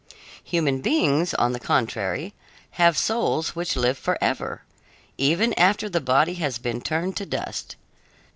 Human beings, on the contrary, have souls which live forever, even after the body has been turned to dust.